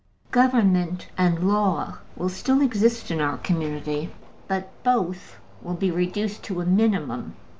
Government and law will still exist in our community, but both will be reduced to a minimum.